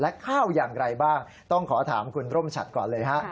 และข้าวอย่างไรบ้างต้องขอถามคุณร่มฉัดก่อนเลยฮะ